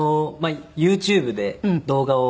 いやＹｏｕＴｕｂｅで動画を。